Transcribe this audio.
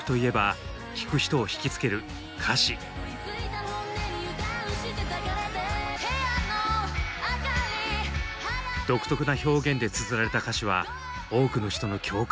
独特な表現でつづられた歌詞は多くの人の共感を呼んでいます。